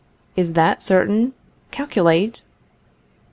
_ Is that certain? Calculate!